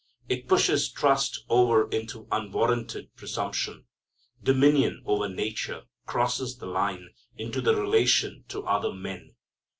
It pushes trust over into unwarranted presumption. Dominion over nature crosses the line into the relation to other men.